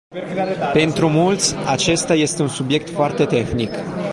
Pentru mulți, acesta este un subiect foarte tehnic.